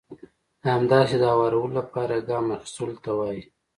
همداسې د هوارولو لپاره يې ګام اخيستلو ته وایي.